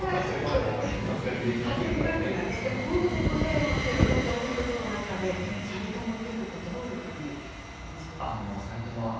本当に個性の強い登場人物の中で実朝は、どういうふうに演じてらっしゃるんですか？